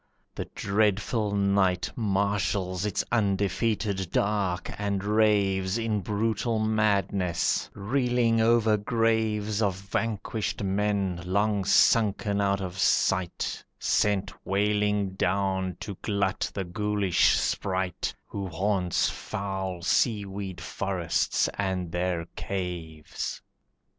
The dreadful night Marshals its undefeated dark and raves In brutal madness, reeling over graves Of vanquished men, long sunken out of sight, Sent wailing down to glut the ghoulish sprite Who haunts foul seaweed forests and their caves.